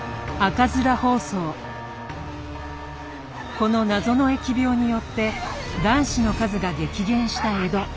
この謎の疫病によって男子の数が激減した江戸。